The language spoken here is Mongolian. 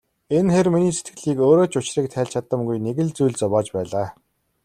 Энэ хэр миний сэтгэлийг өөрөө ч учрыг тайлж чадамгүй нэг л зүйл зовоож байлаа.